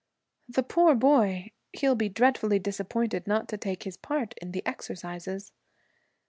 'The poor boy! He'll be dreadfully disappointed not to take his part in the exercises.'